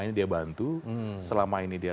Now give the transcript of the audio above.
ini dia bantu selama ini dia